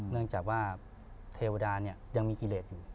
เนื่องจากว่าเทวดายังมีกิเลสอยู่